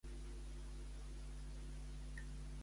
I en quines altra emissora va estar també?